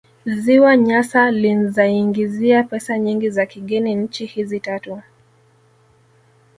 Ziwa Nyasa linzaiingizia pesa nyingi za kigeni nchi hizi tatu